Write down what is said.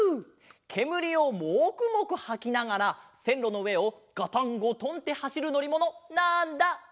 けむりをモクモクはきながらせんろのうえをガタンゴトンってはしるのりものなんだ？